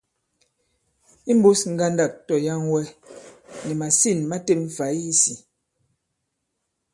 Imbūs ŋgandâk tɔ̀yaŋwɛ, nì màsîn ma têm fày isī.